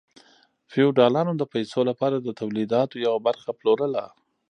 فیوډالانو د پیسو لپاره د تولیداتو یوه برخه پلورله.